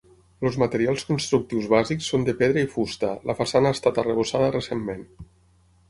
Els materials constructius bàsics són de pedra i fusta, la façana ha estat arrebossada recentment.